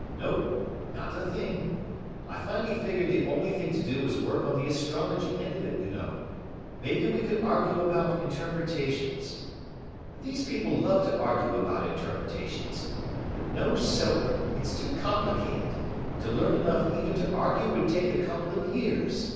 "Nope. Not a thing. I finally figured the only thing to do was work on the astrology end of it, you know, maybe we could argue about interpretations. These people love to argue about interpretations. But no soap. It's too complicated. To learn enough even to argue would take a couple of years.